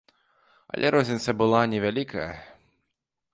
Але розніца была невялікая.